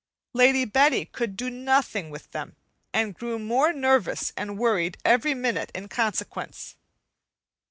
Lady Betty could do nothing with them, and grew more nervous and worried every minute in consequence.